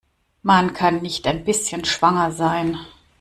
Man kann nicht ein bisschen schwanger sein.